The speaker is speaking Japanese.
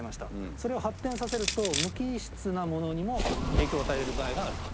それを発展させると無機質なものにも影響を与えられる場合があると。